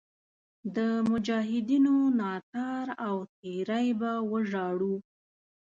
د مجاهدینو ناتار او تېری به وژاړو.